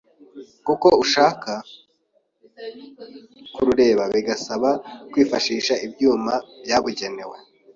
kuko ushaka kurureba bigusaba kwifashisha ibyuma byabugenewe